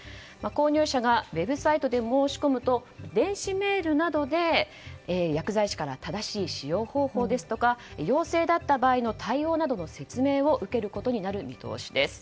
購入者がウェブサイトで申し込むと電子メールなどで薬剤師から正しい使用方法や陽性だった場合の対応などの説明を受けることになる見通しです。